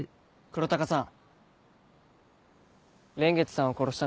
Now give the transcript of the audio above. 黒鷹さん。